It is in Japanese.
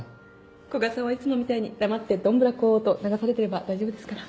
古賀さんはいつもみたいに黙ってどんぶらこと流されてれば大丈夫ですから。